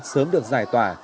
sớm được giải tỏa